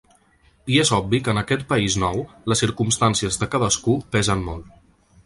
I és obvi que en aquest país nou les circumstàncies de cadascú pesen molt.